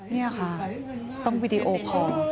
นี่ค่ะต้องวิดีโอคอร์